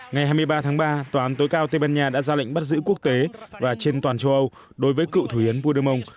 ngày hai mươi ba tháng ba toán tối cao tây ban nha đã ra lệnh bắt giữ quốc tế và trên toàn châu âu đối với cựu thủ yến phúy đơ mông